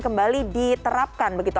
kembali diterapkan begitu